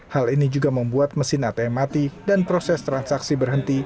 hal ini juga membuat mesin atm mati dan proses transaksi berhenti